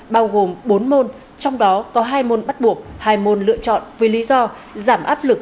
bao gồm bốn môn trong đó có hai môn bắt buộc hai môn lựa chọn với lý do giảm áp lực